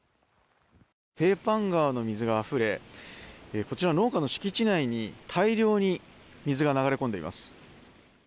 ペーパン川の水があふれこちら農家の敷地内に大量に水が流れ込んでいます。